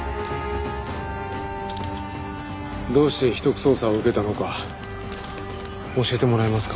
どうして秘匿捜査を受けたのか教えてもらえますか？